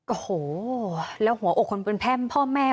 โอ้โหแล้วหัวอกคนเป็นแพร่มพ่อแม่